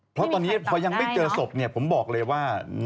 เพราะตอนนี้พอยังไม่เจอศพผมบอกเลยว่า